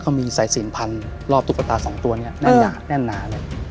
เขามีสายสินพันรอบตุ๊กตาสองตัวนี้แน่นหนาแน่นหนาเลย